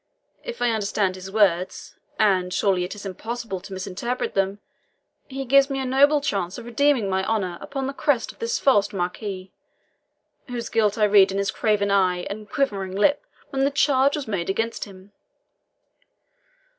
If I understand his words and surely it is impossible to misinterpret them he gives me a noble chance of redeeming my honour upon the crest of this false Marquis, whose guilt I read in his craven eye and quivering lip when the charge was made against him.